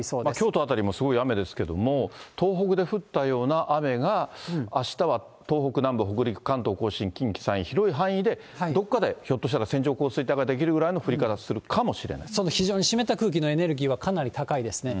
京都辺りもすごい雨ですけども、東北で降ったような雨が、あしたは東北南部、北陸、関東甲信、近畿、山陰、広い範囲でどっかでひょっとしたら線状降水帯が出来るくらいの降非常に湿った空気のエネルギーはかなり高いですね。